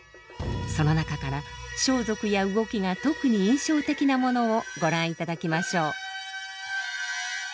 その中から装束や動きが特に印象的なものをご覧いただきましょう。